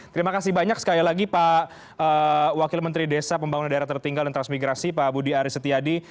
terima kasih banyak sekali lagi pak wakil menteri desa pembangunan daerah tertinggal dan transmigrasi pak budi aris setiadi